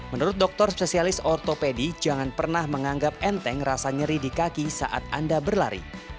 menurut dokter spesialis ortopedi jangan pernah menganggap enteng rasa nyeri di kaki saat anda berlari